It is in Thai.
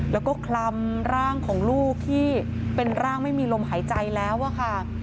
แล้วก็คลำร่างของลูกที่เป็นร่างไม่มีลมหายใจแล้วอะค่ะ